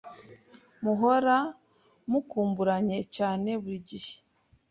Muhora mukumburanye cyane buri gihe